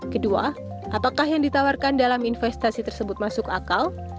kedua apakah yang ditawarkan dalam investasi tersebut masuk akal